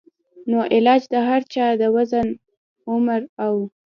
نو علاج د هر چا د وزن ، عمر او